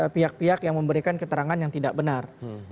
pihak pihak yang memberikan keterangan yang tidak benar